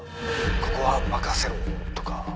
「ここは任せろ！」とか。